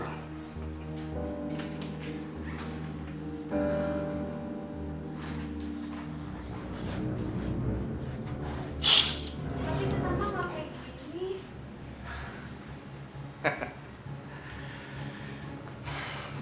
tapi tetap dong lah kayak gini